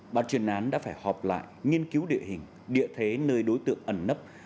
bàn truyền án đã phải họp lại nghiên cứu địa hình địa thế nơi đối tượng ẩn nấp